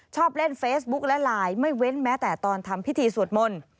ชอบเล่นเฟซบุ๊กและไลน์ไม่เว้นแม้แต่ตอนทำพิธีสวดมนต์